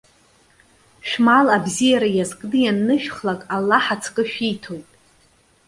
Шәмал абзиара иазкны ианнышәхлак, Аллаҳ ацкы шәиҭоит.